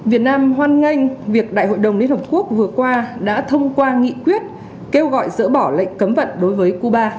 việt nam hoan nghênh việc đại hội đồng liên hợp quốc vừa qua đã thông qua nghị quyết kêu gọi dỡ bỏ lệnh cấm vận đối với cuba